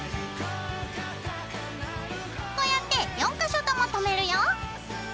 こうやって４か所ともとめるよ。